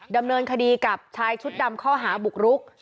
ดำเนินคดีกับชายชุดดำข้อหาบุกรุก